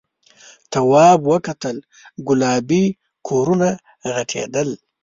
تواب وکتل گلابي کورونه غټېدل.